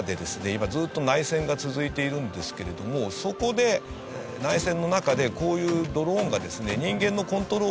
今ずっと内戦が続いているんですけれどもそこで内戦の中でこういう。